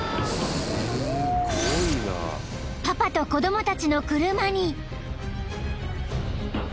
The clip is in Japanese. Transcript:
［パパと子供たちの車に］